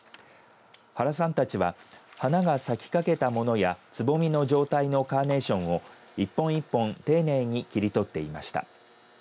原さんたちは花が咲きかけたものやつぼみの状態のカーネーションを一本一本丁寧に切り取っていました。